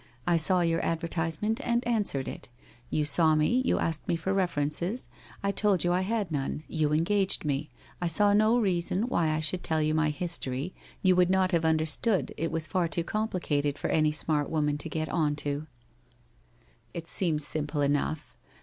I saw your advertisement and answered it. You saw me, you asked me for references. I told you I had none. You engaged me. I saw no reason why I should tell you my history, you would not have under 46 WHITE ROSE OF WEARY LEAF, stood, it was far too complicated for any smart woman to get on to !' 1 It seems simple enough.